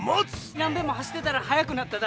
何べんも走ってたら速くなっただ。